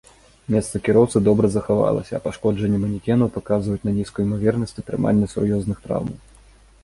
Месца кіроўцы добра захавалася, а пашкоджанні манекенаў паказваюць на нізкую імавернасць атрымання сур'ёзных траўмаў.